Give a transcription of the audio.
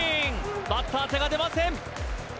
バッター手が出ません